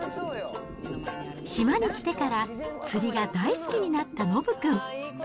島に来てから、釣りが大好きになったのぶ君。